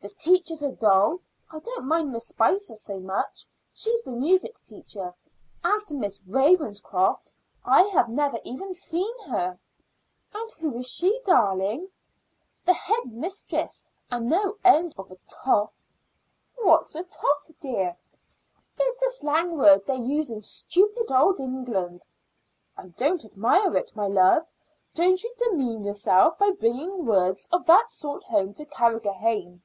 The teachers are dull. I don't mind Miss Spicer so much; she's the music teacher. As to Miss Ravenscroft, I have never even seen her." "And who is she, darling?" "The head mistress, and no end of a toff." "What's a toff, dear?" "It's a slang word they use in stupid old England." "I don't admire it, my love. Don't you demean yourself by bringing words of that sort home to Carrigrohane."